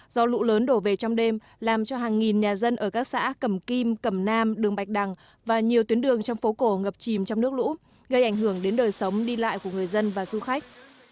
do lũ lớn đổ về trong đêm làm cho hàng nghìn nhà dân ở các xã cầm kim cẩm nam đường bạch đằng và nhiều tuyến đường trong phố cổ ngập chìm trong nước lũ gây ảnh hưởng đến đời sống đi lại của người dân và du khách